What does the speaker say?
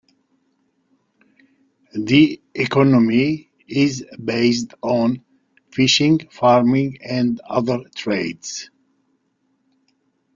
The economy is based on fishing, farming, and other trades.